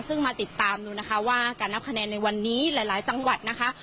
ซึ่งมาติดตามดูนะคะว่าการนับคะแนนในวันนี้หลายจังหวัดนะคะ